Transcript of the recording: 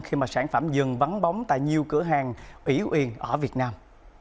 khi sản phẩm dừng vắng bóng tại nhiều cửa hàng ủy uyên ở việt nam